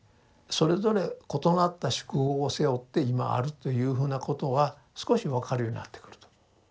それぞれ異なった宿業を背負って今あるというふうなことは少し分かるようになってくると。